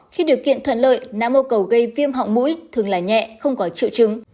khi điều kiện thuận lợi não yêu cầu gây viêm họng mũi thường là nhẹ không có triệu chứng